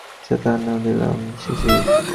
আচ্ছা, তাহার নাম দিলাম শিশির।